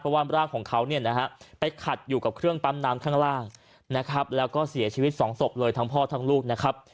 เพราะว่าร่างของเขาไปขัดอยู่กับเครื่องปั๊มน้ำข้างล่างแล้วก็เสียชีวิตสองศพเลยทั้งพ่อทั้งลูก